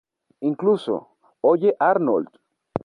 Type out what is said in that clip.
Incluso ¡Oye, Arnold!